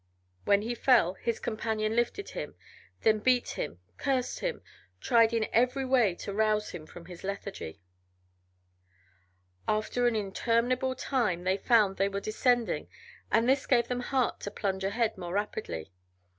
When he fell his companion lifted him, then beat him, cursed him, tried in every way to rouse him from his lethargy. After an interminable time they found they were descending and this gave them heart to plunge ahead more rapidly.